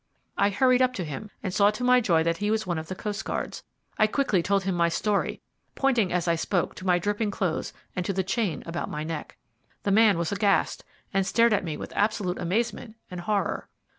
I hurried up to him, and saw to my joy that he was one of the coastguards. I quickly told him my story, pointing as I spoke to my dripping clothes and to the chain about my neck. The man was aghast, and stared at me with absolute amazement and horror.